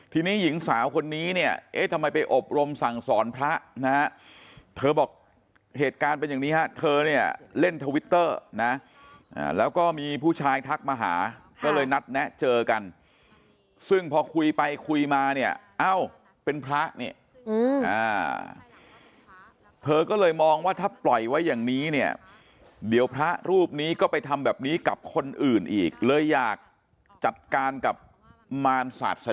ทีนี้หญิงสาวคนนี้เนี่ยเอ๊ะทำไมไปอบรมสั่งสอนพระนะฮะเธอบอกเหตุการณ์เป็นอย่างนี้ฮะเธอเนี่ยเล่นทวิตเตอร์นะแล้วก็มีผู้ชายทักมาหาก็เลยนัดแนะเจอกันซึ่งพอคุยไปคุยมาเนี่ยเอ้าเป็นพระเนี่ยเธอก็เลยมองว่าถ้าปล่อยไว้อย่างนี้เนี่ยเดี๋ยวพระรูปนี้ก็ไปทำแบบนี้กับคนอื่นอีกเลยอยากจัดการกับมารศาสนา